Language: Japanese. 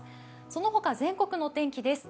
その他、全国のお天気です。